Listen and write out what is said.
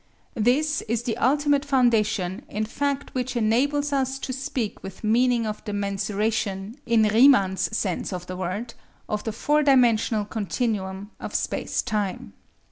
This is the ultimate foundation in fact which enables us to speak with meaning of the mensuration, in Riemann's sense of the word, of the four dimensional continuum of space time.